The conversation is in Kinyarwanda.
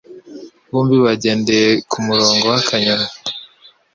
Bombi bagendeye kumurongo wa kanyoni.